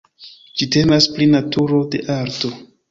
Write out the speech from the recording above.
Ĝi temas pri naturo de arto.